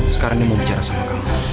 sekarang ini mau bicara sama kamu